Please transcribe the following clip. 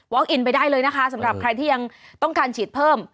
อินไปได้เลยนะคะสำหรับใครที่ยังต้องการฉีดเพิ่ม